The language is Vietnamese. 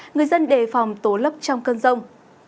người dân đề phòng tố lấp trong cơn rông